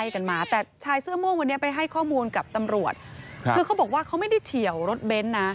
คือเขาบอกว่าเขาไม่ได้เฉียวรถเบ้นนะ